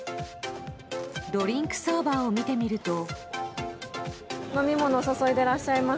ドリンクサーバーを見てみると。